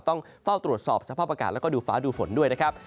ต้องเฝ้าตรวจสอบสภาพอากาศแล้วก็ดูฟ้าดูฝนด้วยนะครับ